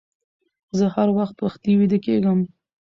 زه هر وخت وختي ويده کيږم